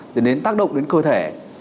cho nên tác động đến cơ thể